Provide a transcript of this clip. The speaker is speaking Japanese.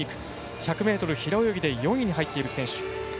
１００ｍ平泳ぎで４位に入っている選手。